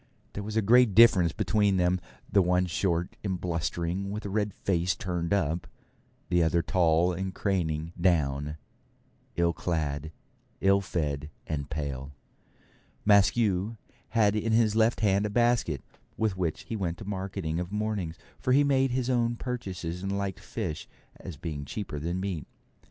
There was a great difference between them; the one short and blustering, with a red face turned up; the other tall and craning down, ill clad, ill fed, and pale. Maskew had in his left hand a basket, with which he went marketing of mornings, for he made his own purchases, and liked fish, as being cheaper than meat.